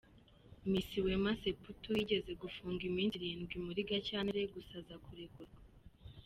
Miss Wema Septu yigeze gufungwa iminsi irindwi muri Gashyantare gusa aza kurekurwa.